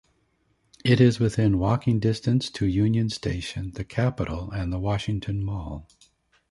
It is within walking distance to Union Station, the Capitol and the Washington Mall.